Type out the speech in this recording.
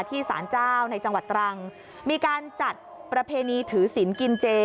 สารเจ้าในจังหวัดตรังมีการจัดประเพณีถือศิลป์กินเจ